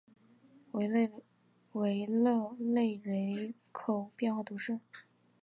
维勒雷人口变化图示